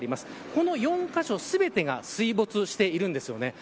この４カ所全てが水没しているんですよね。